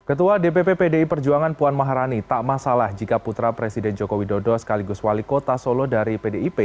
ketua dpp pdi perjuangan puan maharani tak masalah jika putra presiden joko widodo sekaligus wali kota solo dari pdip